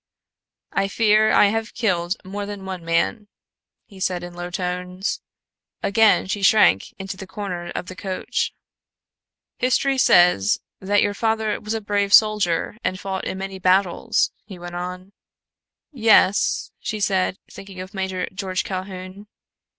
"I fear I have killed more than one man," he said in low tones. Again she shrank into the corner of the coach. "History says that your father was a brave soldier and fought in many battles," he went on. "Yes," she said, thinking of Major George Calhoun.